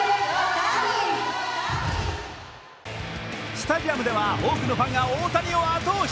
スタジアムでは多くのファンが大谷を後押し。